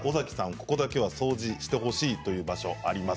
ここだけは掃除してほしいという場所があります。